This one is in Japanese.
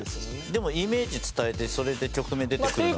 でもイメージ伝えてそれで曲名出てくるなら。